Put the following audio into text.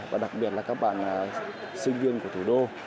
và đặc biệt là các bạn sinh viên của thủ đô